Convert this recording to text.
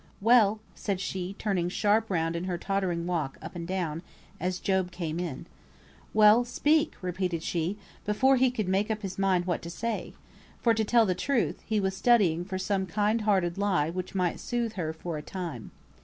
"Well!" said she, turning sharp round in her tottering walk up and down, as Job came in. "Well, speak!" repeated she, before he could make up his mind what to say; for, to tell the truth, he was studying for some kind hearted lie which might soothe her for a time.